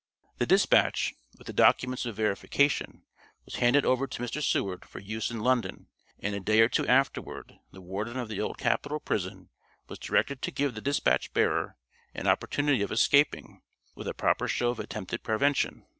The dispatch, with the documents of verification, was handed over to Mr. Seward for use in London, and a day or two afterward the warden of the Old Capitol Prison was directed to give the dispatch bearer an opportunity of escaping, with a proper show of attempted prevention.